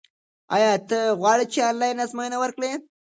ایا ته غواړې چې آنلاین ازموینه ورکړې؟